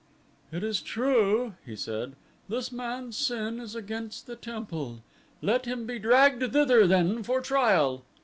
"It is true," he said, "this man's sin is against the temple. Let him be dragged thither then for trial."